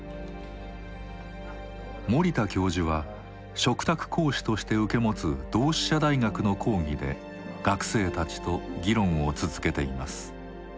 森田教授は嘱託講師として受け持つ同志社大学の講義で学生たちと議論を続けています。